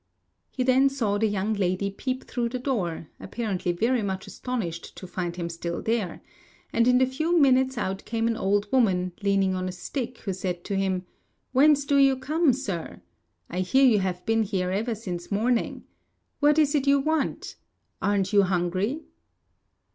He then saw the young lady peep through the door, apparently very much astonished to find him still there; and in a few minutes out came an old woman leaning on a stick, who said to him, "Whence do you come, Sir? I hear you have been here ever since morning. What is it you want? Aren't you hungry?"